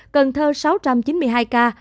cần thơ sáu trăm chín mươi hai ca